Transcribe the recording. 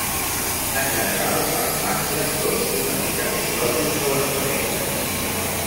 En general, els mascles són una mica més grossos que les femelles.